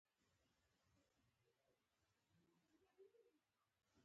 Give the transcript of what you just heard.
قانون د عملي نظم ضمانت کوي.